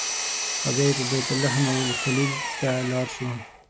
او بیا به بیت لحم او الخلیل ته لاړ شو.